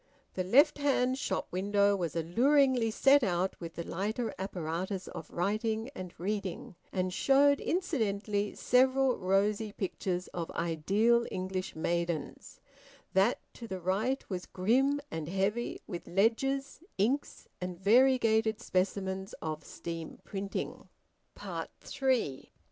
The left hand shop window was alluringly set out with the lighter apparatus of writing and reading, and showed incidentally several rosy pictures of ideal English maidens; that to the right was grim and heavy with ledgers, inks, and variegated specimens of steam printing. THREE.